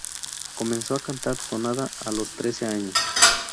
Comenzó a cantar tonada a los trece años.